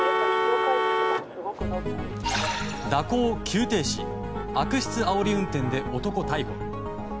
蛇行、急停止悪質あおり運転で男逮捕。